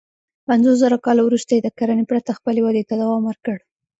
پنځوسزره کاله وروسته یې د کرنې پرته خپلې ودې ته دوام ورکړ.